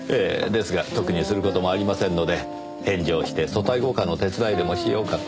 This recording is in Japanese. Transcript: ですが特にする事もありませんので返上して組対五課の手伝いでもしようかと。